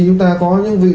chúng ta có những vị